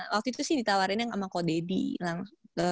waktu itu sih ditawarin sama ko deddy